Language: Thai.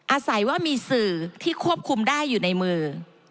อาศัยว่ามีสื่อที่ควบคุมได้อยู่ในมือ